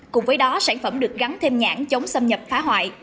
cùng với đó sản phẩm được gắn thêm nhãn chống xâm nhập phá hoại